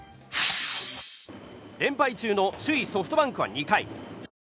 連敗中の首位ソフトバンクは２回。